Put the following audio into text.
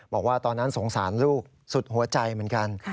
บอกว่าตอนนั้นสงสารลูกสุดหัวใจเหมือนกัน